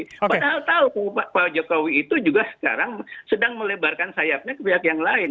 padahal tahu pak jokowi itu juga sekarang sedang melebarkan sayapnya ke pihak yang lain